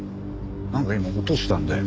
なんか今音したんだよ。